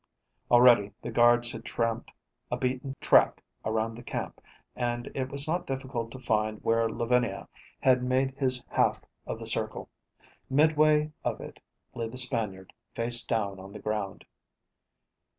Already the guards had tramped a beaten track around the camp and it was not difficult to find where Lavinia had made his half of the circle. Midway of it lay the Spaniard, face down on the ground.